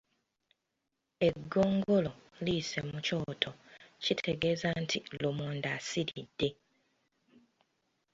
Eggongolo liyise mu kyoto kitegeeza nti lumonde asiridde.